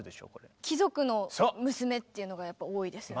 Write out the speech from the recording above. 「貴族の娘」っていうのがやっぱ多いですね。